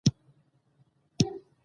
افغانستان د اقلیم له امله شهرت لري.